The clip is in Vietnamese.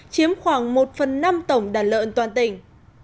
chiếm khoảng một phần năm tổng đàn lợn toàn tỉnh